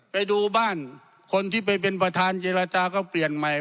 ไปดูบ้านคนที่ไปเป็นประธานเจรจาก็เปลี่ยนใหม่